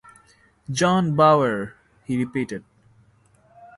“John Bower!” he repeated.